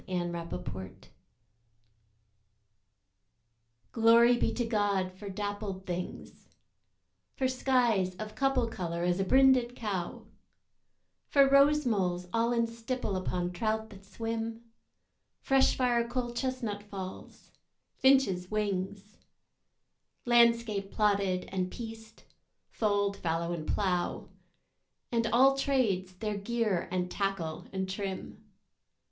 13 Pied Beauty GLORY be to God for dappled things For skies of couple colour as a brinded cow; For rose moles all in stipple upon trout that swim: Fresh firecoal chestnut falls; finches' wings; Landscape plotted and pieced fold, fallow, and plough; And àll tràdes, their gear and tackle and trim.